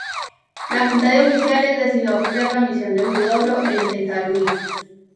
La junta de oficiales decidió apoyar la misión de Huidobro e intentar huir.